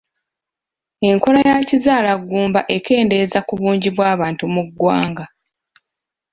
Enkola ya kizaalaggumba ekendeeza ku bungi bw'abantu mu ggwanga.